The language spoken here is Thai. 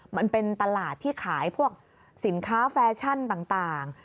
มันเป็นตลาดที่ขายพวกสินค้าแฟชั่นต่าง